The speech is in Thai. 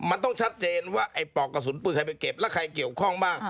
มันต้องชัดเจนว่าไอ้ปอกกระสุนปืนใครไปเก็บแล้วใครเกี่ยวข้องบ้าง